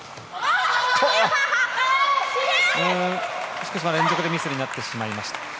福島、連続でミスになってしまいました。